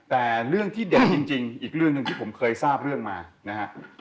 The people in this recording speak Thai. แต่เรื่องที่เด็ดจริงอีกเรื่องหนึ่งที่ผมเคยทราบเรื่องมานะฮะ